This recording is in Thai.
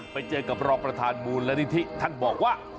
ไปเจอกับรองประธานมูลนิธิท่านบอกว่า